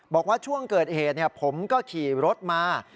บอกว่าช่วงเกิดเหตุผมก็ขี่รถมา